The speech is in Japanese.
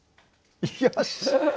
よし！